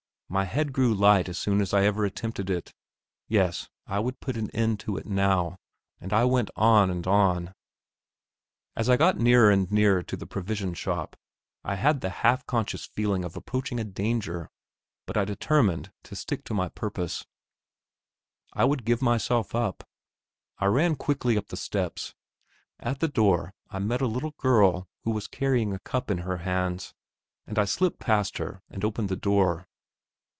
My head grew light as soon as ever I attempted it. Yes, I would put an end to it now; and I went on and on. As I got nearer and nearer to the provision shop, I had the half conscious feeling of approaching a danger, but I determined to stick to my purpose; I would give myself up. I ran quickly up the steps. At the door I met a little girl who was carrying a cup in her hands, and I slipped past her and opened the door.